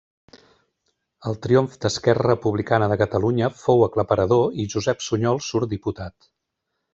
El triomf d'Esquerra Republicana de Catalunya fou aclaparador i Josep Sunyol surt diputat.